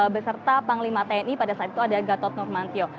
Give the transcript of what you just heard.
beserta panglima tni pada saat itu ada gatot nurmantio